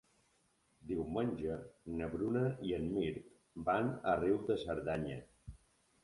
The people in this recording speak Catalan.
Diumenge na Bruna i en Mirt van a Riu de Cerdanya.